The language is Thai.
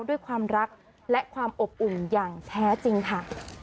ด้วยความรักและความอบอุ่นอย่างแท้จริงค่ะ